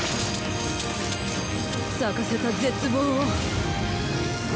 咲かせた絶望を。